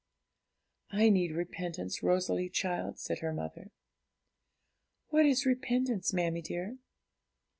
'I need repentance, Rosalie, child,' said her mother. 'What is repentance, mammie dear?'